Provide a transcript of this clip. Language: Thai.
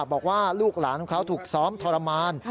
บอกว่าลูกหลานของเขาถูกซ้อมทรมาน